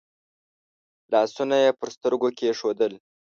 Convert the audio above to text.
لاسونه يې پر سترګو کېښودل.